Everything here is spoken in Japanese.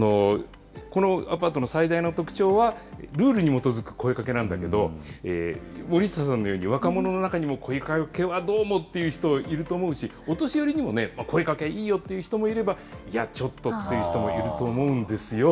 このアパートの最大の特徴は、ルールに基づく声かけなんだけど、森下さんのように、若者の中では声かけはどうもっていう人、いると思うし、お年寄りにも声かけいいよっていう人もいれば、いや、ちょっとっていう人もいると思うんですよ。